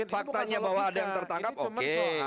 faktanya bahwa ada yang tertangkap oke